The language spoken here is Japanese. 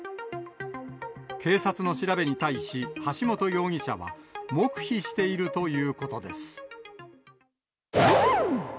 警察の調べに対し、橋本容疑者は、黙秘しているということです。